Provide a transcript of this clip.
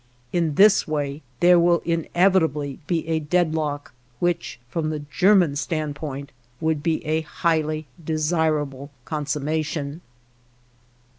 In this way there will inevitably be a deadlock, which, from the German standpoint, would be a highly desirable consummation.